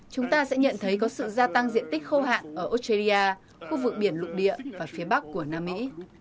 chúng ta sẽ nhận thấy có sự gia tăng diện tích khâu hạn ở australia khu vực biển lục địa và phía bắc của nam mỹ